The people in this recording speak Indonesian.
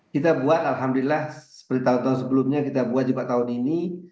kita buat alhamdulillah seperti tahun tahun sebelumnya kita buat juga tahun ini